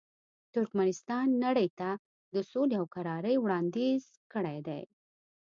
ترکمنستان نړۍ ته د سولې او کرارۍ وړاندیز کړی دی.